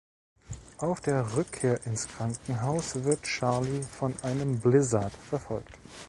Auf der Rückkehr ins Krankenhaus wird Charlie von einem Blizzard verfolgt.